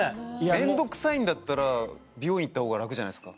面倒くさいんだったら美容院行ったほうが楽じゃないですか。